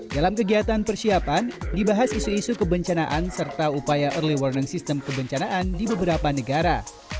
dalam kegiatan persiapan dibahas isu isu kebencanaan serta upaya early warning system kebencanaan di beberapa negara